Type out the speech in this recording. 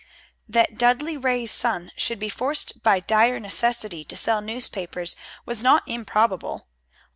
That Dudley Ray's son should be forced by dire necessity to sell newspapers was not improbable.